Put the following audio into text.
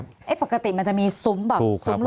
มีความรู้สึกว่ามีความรู้สึกว่ามีความรู้สึกว่า